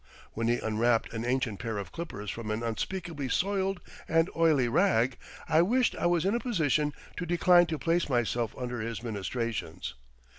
When he unwrapped an ancient pair of clippers from an unspeakably soiled and oily rag, I wished I was in a position to decline to place myself under his ministrations.